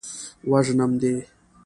وژنم دې.